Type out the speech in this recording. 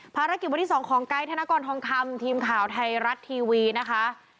ภารกิจวันที่๒ของไกด์ธนกรทองคำทีมข่าวไทยรัฐทีวีนะคะ